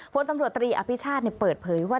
พลตำรวจตรีอภิชาติเปิดเผยว่า